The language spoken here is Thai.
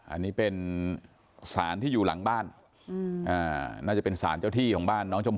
อันนี้เป็นสารที่อยู่หลังบ้านน่าจะเป็นสารเจ้าที่ของบ้านน้องชมพู่